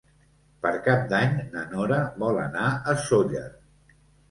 Per Cap d'Any na Nora vol anar a Sóller.